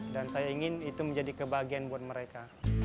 dan saya ingin itu menjadi kebahagiaan buat mereka